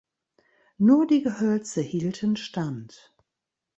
Nur die Gehölze hielten Stand.